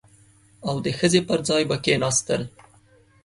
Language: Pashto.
او د ښځې پر ځای به کښېناستل.